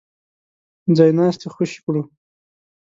ځای ناستي خوشي کړو.